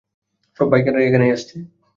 সব বাইকাররা এখানেই আসছে!